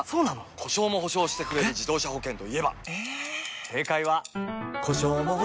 故障も補償してくれる自動車保険といえば？